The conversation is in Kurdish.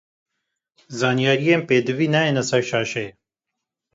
Zanyarîyên pêdiviyî nayêne ser şaşeyê.